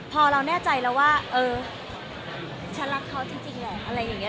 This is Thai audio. พอเราแน่ใจแล้วว่าเออฉันรักเขาจริงแหละอะไรอย่างนี้